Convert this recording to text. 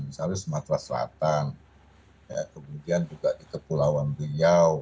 misalnya sumatera selatan kemudian juga di kepulauan riau